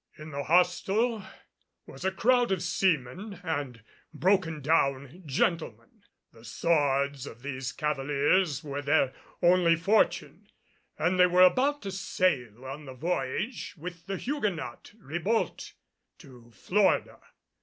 In the hostel was a crowd of seamen and broken down gentlemen. The swords of these cavaliers were their only fortune, and they were about to sail on the voyage with the Huguenot Ribault to Florida.